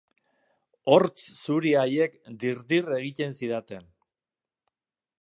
Hortz zuri haiek dir-dir egiten zidaten.